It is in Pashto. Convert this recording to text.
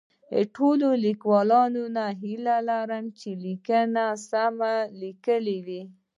له ټولو لیکوالو هیله لرم چي لیکنې سمی ولیکي